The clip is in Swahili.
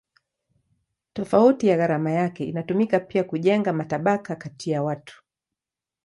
Tofauti ya gharama yake inatumika pia kujenga matabaka kati ya watu.